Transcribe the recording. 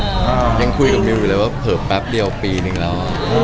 คุณสามารถเลยครับยังคุยกับมิวว่าเผ่อแป๊บเดียว๑ปีนึงแล้ว